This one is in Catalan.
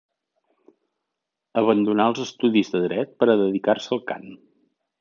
Abandonà els estudis de dret per a dedicar-se al cant.